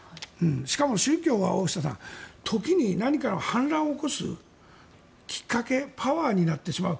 しかも宗教は、大下さん時に何か反乱を起こすきっかけパワーになってしまう。